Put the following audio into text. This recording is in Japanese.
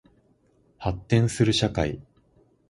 発展する社会